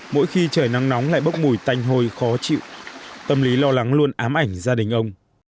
mỗi khi trời nắng nóng lại bốc mùi tanh hôi khó chịu tâm lý lo lắng luôn ám ảnh gia đình ông